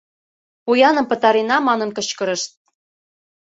«Пояным пытарена», манын кычкырышт.